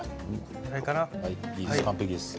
完璧です。